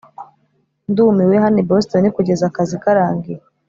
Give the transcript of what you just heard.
ndumiwe hano i boston kugeza akazi karangiye